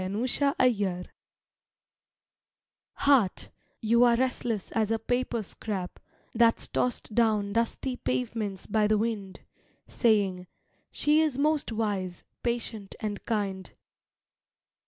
UNFORTUNATE Heart, you are restless as a paper scrap That's tossed down dusty pavements by the wind; Saying, "She is most wise, patient and kind.